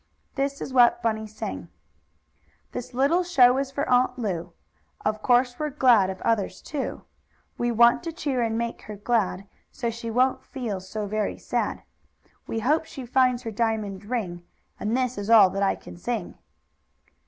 This is what Bunny sang: "This little show is for Aunt Lu. Of course we're glad of others, too. We want to cheer, and make her glad, So she won't feel so very sad. We hope she finds her diamond ring, And this is all that I can sing!"